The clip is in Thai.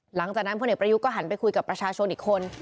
หลังจากนั้นพ่อเหนกประยุทธ์ก็หันไปคุยกับประชาชนอีกคน